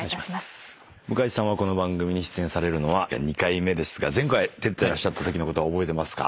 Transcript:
向井さんはこの番組に出演されるのは２回目ですが前回出てらっしゃったときのこと覚えてますか？